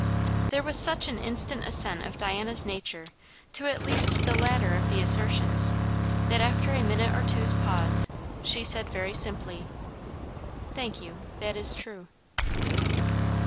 There was such an instant assent of Diana's inner nature to at least the latter of these assertions, that after a minute or two's pause she said very simply "Thank you, That is true."